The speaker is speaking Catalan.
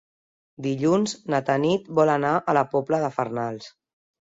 Dilluns na Tanit vol anar a la Pobla de Farnals.